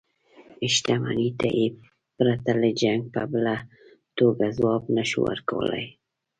دښمنۍ ته یې پرته له جنګه په بله توګه ځواب نه شو ورکولای.